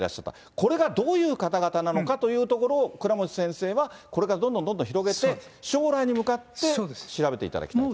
これがどういう方々なのかというところを、倉持先生は、これからどんどんどんどん広げて、将来に向かって調べていただきたいと。